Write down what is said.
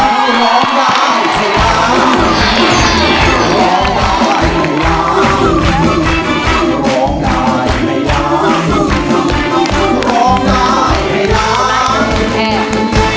แล้วคุณกิ๊กชิงเงิน